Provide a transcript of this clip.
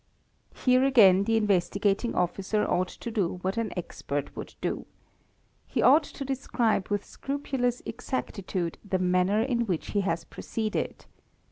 Here again the Investigating Officer ought to do what an expert would do. He ought to describe with scrupulous exactitude the manner in which he has proceeded.